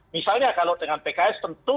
misalnya kalau dengan pks tentu